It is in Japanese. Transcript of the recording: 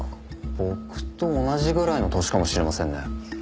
僕と同じぐらいの年かもしれませんね。